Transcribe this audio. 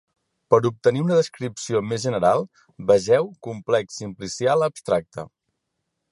Per obtenir una descripció més general, vegeu complex simplicial abstracte.